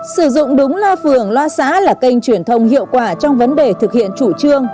sử dụng đúng loa phường loa xã là kênh truyền thông hiệu quả trong vấn đề thực hiện chủ trương